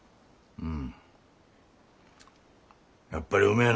うん。